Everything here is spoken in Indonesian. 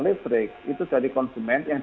listrik itu dari konsumen yang